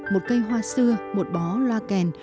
một cây hoa xưa một bó loa kèn